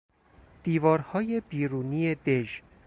دیوارهای بیرونی دژ